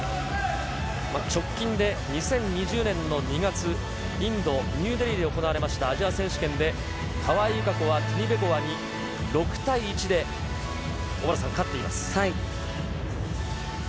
直近で２０２０年の２月、インド・ニューデリーで行われましたアジア選手権で、川井友香子はティニベコワに６対１で小原さん、勝っています。